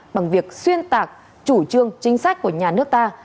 bằng việc xuyên tạc chủ trương chính sách của nhà nước ta